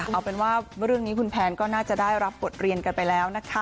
เอาเป็นว่าเรื่องนี้คุณแพนก็น่าจะได้รับบทเรียนกันไปแล้วนะคะ